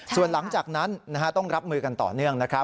ส่วนหลังจากนั้นต้องรับมือกันต่อเนื่องนะครับ